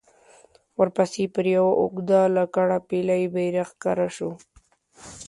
ورپسې پر يوه اوږده لکړه پېيلی بيرغ ښکاره شو.